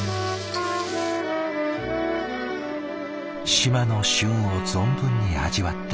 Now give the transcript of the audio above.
島の旬を存分に味わってもらいたい。